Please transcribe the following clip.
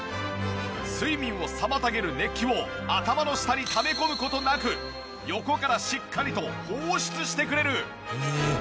睡眠を妨げる熱気を頭の下にため込む事なく横からしっかりと放出してくれる！